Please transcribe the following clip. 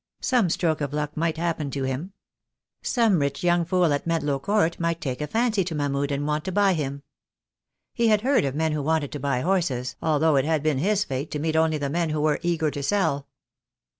Some stroke of luck might happen to him. Some rich young fool at Medlow Court might take a fancy to Mahmud and want to buy him. He had heard of men who wanted to buy horses, although it had been his fate to meet only the men who were eager to sell.